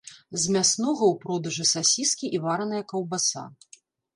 З мяснога ў продажы сасіскі і вараная каўбаса.